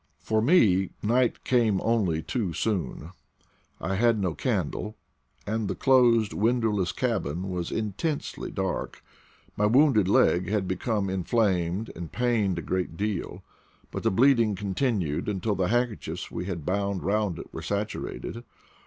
For me night came only too soon. I had no candle, and the closed, windowless cabin was in tensely dark. My wounded leg had become in flamed and pained a great deal, but the bleeding continued until the handkerchiefs we had bound round it were saturated.